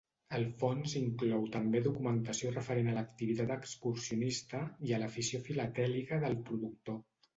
El fons inclou també documentació referent a l'activitat excursionista i a l'afició filatèlica del productor.